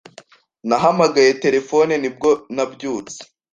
Nahamagaye terefone ni bwo nabyutse.